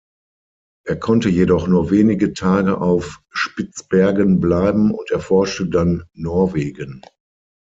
Er konnte jedoch nur wenige Tage auf Spitzbergen bleiben und erforschte dann Norwegen.